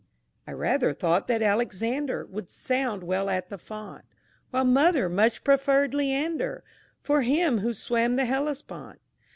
_ I rather thought that Alexander Would sound well at the font, While mother much preferred Leander For him who swam the Hellespont.